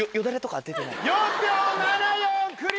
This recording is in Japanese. ４秒７４クリア！